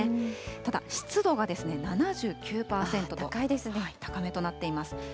ただ、湿度が７９％と高めとなっています。